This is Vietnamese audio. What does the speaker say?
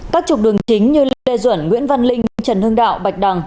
các trục đường chính như lê duẩn nguyễn văn linh trần hưng đạo bạch đằng